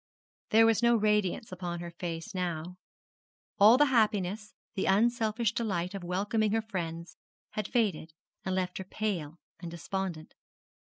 There was no radiance upon her face now. All the happiness the unselfish delight of welcoming her friends had faded, and left her pale and despondent.